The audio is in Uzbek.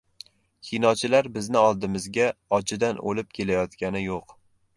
Kinochilar bizni oldimizga ochidan o‘lib kelayotgani yo‘q.